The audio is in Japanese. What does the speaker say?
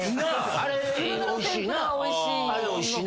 あれおいしいな。